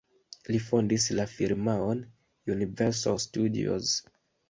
Li fondis la firmaon Universal Studios.